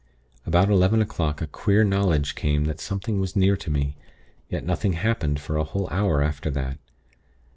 About eleven o'clock a queer knowledge came that something was near to me; yet nothing happened for a whole hour after that.